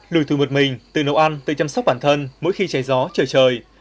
lùi thù một mình tự nấu ăn tự chăm sóc bản thân mỗi khi cháy gió trời trời